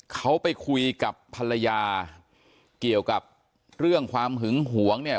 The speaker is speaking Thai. เขาไปคุยกับภรรยาเกี่ยวกับเรื่องความหึงหวงเนี่ย